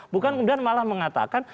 bukan kemudian malah mengatakan